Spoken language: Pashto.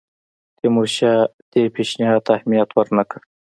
تیمورشاه دې پېشنهاد ته اهمیت ورنه کړ.